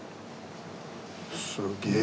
すげえ。